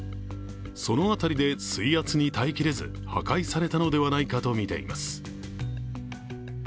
その辺りで、水圧に耐えきれず破壊されたのではないかとみています。